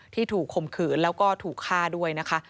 ถูกคมขืนแล้วก็ถูกฆ่าด้วยนะคะ